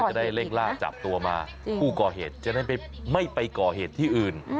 จะได้เร่งล่าจับตัวมาผู้ก่อเหตุจะได้ไม่ไปก่อเหตุที่อื่น